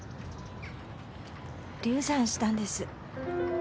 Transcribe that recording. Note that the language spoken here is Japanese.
流産したんです。